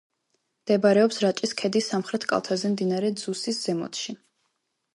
მდებარეობს რაჭის ქედის სამხრეთ კალთაზე, მდინარე ძუსის ზემოთში.